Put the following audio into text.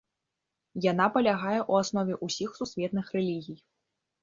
Яна палягае ў аснове ўсіх сусветных рэлігій.